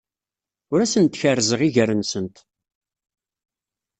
Ur asent-kerrzeɣ iger-nsent.